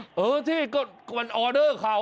เออที่ก็ออเดอร์เขา